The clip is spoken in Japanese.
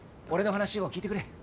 俺の話を聞いてくれ。